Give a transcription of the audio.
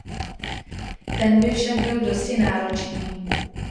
Ten by však byl dosti náročný.